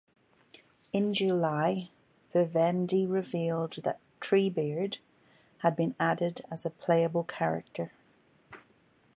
In July, Vivendi revealed that Treebeard had been added as a playable character.